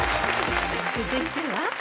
［続いては］